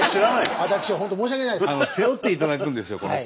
私本当申し訳ないです。